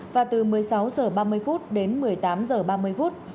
và từ một mươi sáu h ba mươi phút đến một mươi tám h ba mươi phút